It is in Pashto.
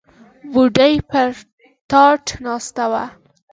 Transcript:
بوډۍ پر تاټ ناسته وه.